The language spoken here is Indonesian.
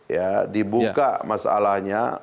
ya dibuka masalahnya